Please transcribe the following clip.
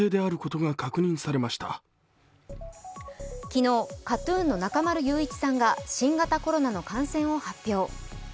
昨日、ＫＡＴ−ＴＵＮの中丸雄一さんが新型コロナの感染を発表。